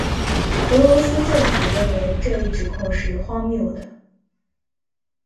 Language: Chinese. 俄罗斯政府认为这一指控是“荒谬的”。